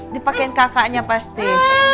dipakein kakaknya pasti